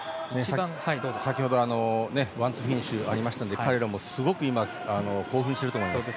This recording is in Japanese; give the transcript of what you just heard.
先ほどワンツーフィニッシュあったので彼らもすごく今興奮してると思います。